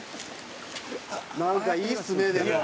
「なんかいいですねでも。